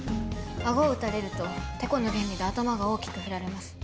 あごを打たれるとてこの原理で頭が大きく振られます。